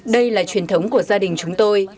đây là truyền thống của gia đình chúng tôi